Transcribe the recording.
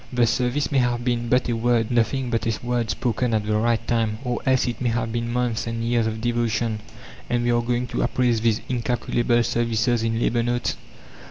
The service may have been but a word, nothing but a word spoken at the right time, or else it may have been months and years of devotion, and we are going to appraise these "incalculable" services in "labour notes"?